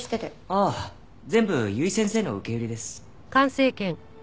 ああ全部由井先生の受け売りです。